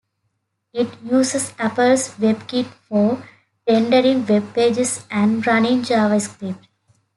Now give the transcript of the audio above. It uses Apple's WebKit for rendering web pages and running JavaScript.